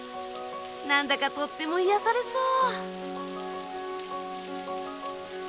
なんだかとっても癒やされそう！